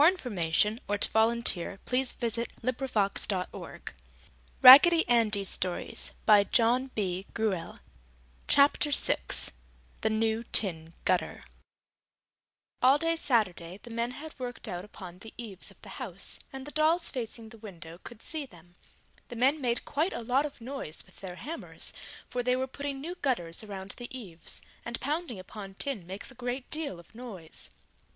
] [Illustration: Looking out the window] [Illustration: Raggedy Andy under the quilt] THE NEW TIN GUTTER All day Saturday the men had worked out upon the eaves of the house and the dolls facing the window could see them. The men made quite a lot of noise with their hammers, for they were putting new gutters around the eaves, and pounding upon tin makes a great deal of noise.